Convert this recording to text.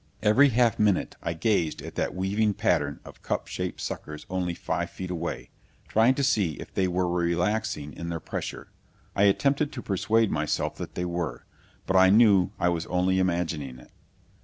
Every half minute I gazed at that weaving pattern of cup shaped suckers only five feet away, trying to see if they were relaxing in their pressure. I attempted to persuade myself that they were. But I knew I was only imagining it.